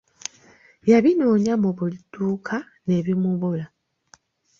Yabinoonya mu buli dduuka ne bimubula.